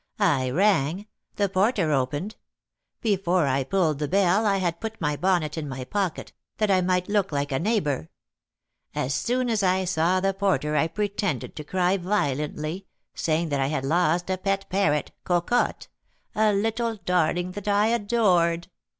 I rang; the porter opened. Before I pulled the bell I had put my bonnet in my pocket, that I might look like a neighbour. As soon as I saw the porter I pretended to cry violently, saying that I had lost a pet parrot, Cocotte, a little darling that I adored.